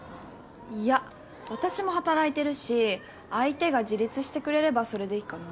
いや私も働いてるし相手が自立してくれればそれでいいかな。